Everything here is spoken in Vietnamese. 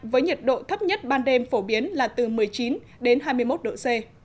với nhiệt độ thấp nhất ban đêm phổ biến là từ một mươi chín đến hai mươi một độ c